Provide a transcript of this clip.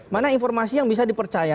mana informasi yang bisa dipercaya